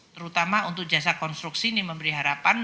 terutama untuk jasa konstruksi ini memberi harapan